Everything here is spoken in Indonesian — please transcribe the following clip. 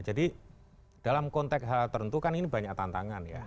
jadi dalam konteks hal tertentu kan ini banyak tantangan ya